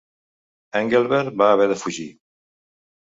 Engelbert va haver de fugir.